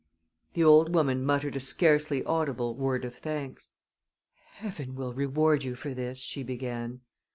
The old woman muttered a scarcely audible word of thanks. "Heaven will reward you for this," she began.